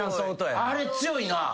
あれ強いなぁ。